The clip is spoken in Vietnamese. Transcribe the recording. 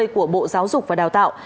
của bộ giáo dục và đào tạo